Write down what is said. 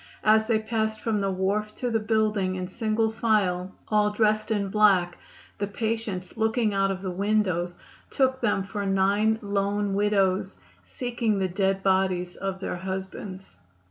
As they passed from the wharf to the building, in single file, all dressed in black, the patients, looking out of the windows, took them for nine lone widows, seeking the dead bodies of their husbands!